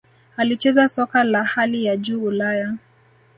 alicheza soka la hali ya Juu Ulaya